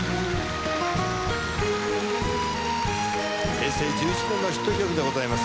平成１１年のヒット曲でございます。